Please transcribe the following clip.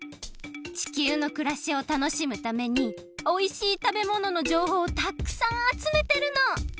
地球のくらしをたのしむためにおいしいたべもののじょうほうをたくさんあつめてるの！